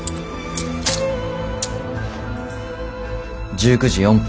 １９時４分。